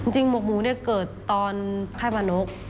จริงหมกหมูเนี่ยเกิดตอนไข้ประนก